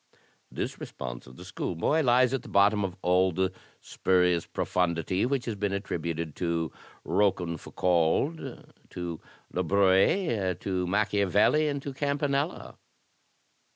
* This response of the schoolboy lies at the bottom of all the spurious profundity which has been attributed to Rochefoucauld, to LaBruy^re, to Machiavelli, and to Campanella."